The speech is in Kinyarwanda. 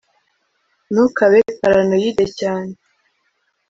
ntukabe paranoide cyane